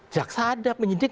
jaksa ada penyidik